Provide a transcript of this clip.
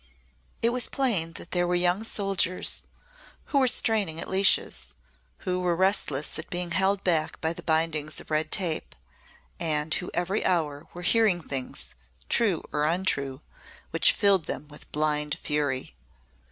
It was plain that there were young soldiers who were straining at leashes, who were restless at being held back by the bindings of red tape, and who every hour were hearing things true or untrue which filled them with blind fury.